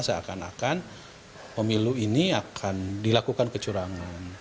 seakan akan pemilu ini akan dilakukan kecurangan